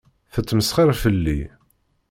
Tettmesxiṛ fell-i.